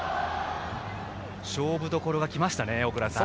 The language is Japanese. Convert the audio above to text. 勝負どころが来ましたね小倉さん。